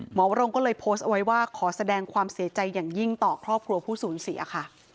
หมอวรงก็เลยโพสต์เอาไว้ว่าขอแสดงความเสียใจอย่างยิ่งต่อครอบครัวผู้สูญเสียค่ะ